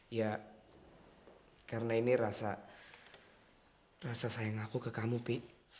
ya karena ini rasa sayang aku ke kamu pi